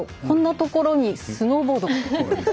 こんなところに、スノーボードが。